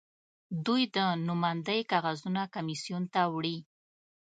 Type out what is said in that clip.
دوی د نوماندۍ کاغذونه کمېسیون ته وړي.